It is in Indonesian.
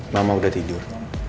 mama udah tidur